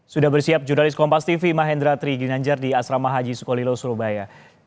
sudah bersiap jurnalis kompas tv mahendra tri ginanjar di asrama haji sukolilo surabaya